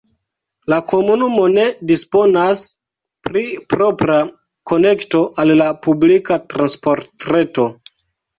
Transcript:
La komunumo ne disponas pri propra konekto al la publika transportreto.